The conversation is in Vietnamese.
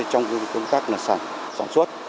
trong cái công tác sản xuất